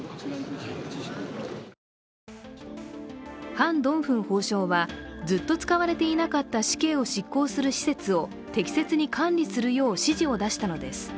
ハン・ドンフン法相は、ずっと使われていなかった死刑を執行する施設を適切に管理するよう指示を出したのです。